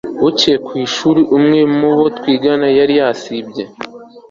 bukeye ku ishuri, umwe mu bo twigana yari yasibye